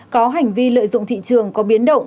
có hành vi lợi dụng thị trường có biến động